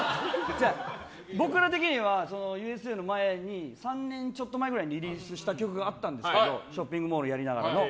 僕ら的には「Ｕ．Ｓ．Ａ．」の前に３年ちょっと前くらいにリリースした曲があったんですけどショッピングモールやりながらの。